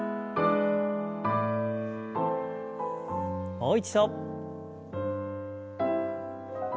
もう一度。